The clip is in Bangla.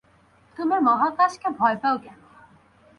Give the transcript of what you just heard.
তুমি মহাকাশকে ভয় পাও কেন?